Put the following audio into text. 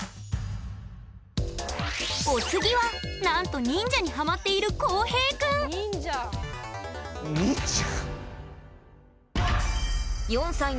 お次はなんと忍者にハマっている航平くん忍者！